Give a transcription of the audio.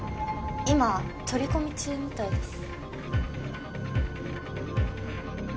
今取り込み中みたいです